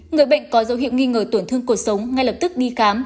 người bệnh có dấu hiệu nghi ngờ tổn thương cuộc sống ngay lập tức đi khám